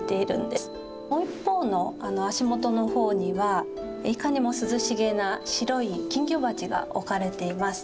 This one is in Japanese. もう一方の足元の方にはいかにも涼しげな白い金魚鉢が置かれています。